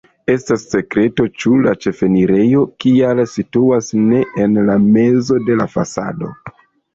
Estas sekreto, ĉu la ĉefenirejo kial situas ne en la mezo de la fasado.